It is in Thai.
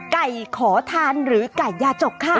ขอทานหรือไก่ยาจกค่ะ